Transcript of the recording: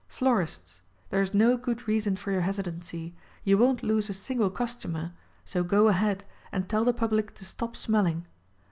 Florists : There is no good reason for your hesitancy — you won't lose a single customer ; so go ahead — and tell the public to stop smelling.